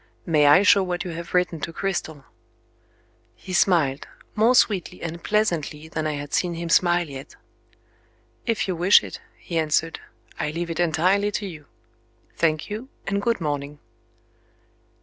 May I show what you have written to Cristel?" He smiled, more sweetly and pleasantly than I had seen him smile yet. "If you wish it," he answered. "I leave it entirely to you. Thank you and good morning."